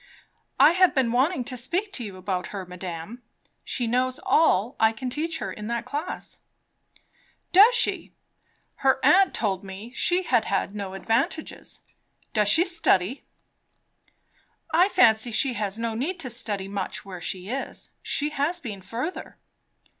"I have been wanting to speak to you about her, madame. She knows all I can teach her in that class." "Does she! Her aunt told me she had had no advantages. Does she study?" "I fancy she has no need to study much where she is. She has been further."